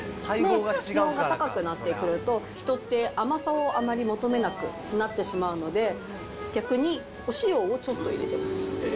気温が高くなってくると、人って甘さをあまり求めなくなってしまうので、逆にお塩をちょっと入れてます。